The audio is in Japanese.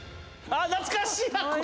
懐かしいなこれ！